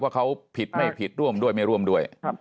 ว่าเขาผิดไม่ผิดร่วมด้วยไม่ร่วมด้วย